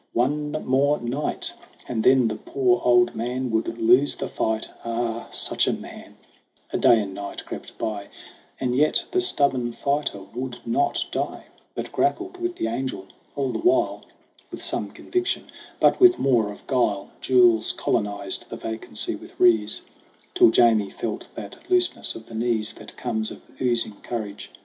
'One more night, And then the poor old man would lose the fight Ah, such a man !' A day and night crept by, And yet the stubborn fighter would not die, But grappled with the angel. All the while, With some conviction, but with more of guile, Jules colonized the vacancy with Rees ; Till Jamie felt that looseness of the knees That comes of oozing courage.